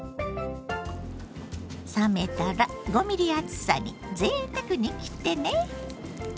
冷めたら５ミリ厚さにぜいたくに切ってね。